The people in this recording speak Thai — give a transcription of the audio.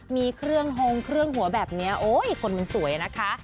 มีเครื่องฮงเครื่องหัวแบบนี้โอ้ยคนมันสวยนะคะ